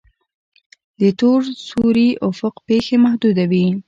د تور سوري افق پیښې محدوده وي.